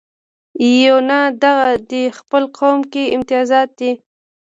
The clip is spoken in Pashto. یونه دغه دې خپل قوم کې امتیازات دي.